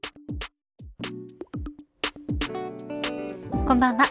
こんばんは。